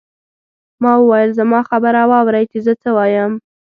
ما وویل زما خبره واورئ چې زه څه وایم.